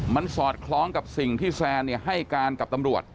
มันสอดคล้องกับสิ่งที่แซนให้การกับตำรวจ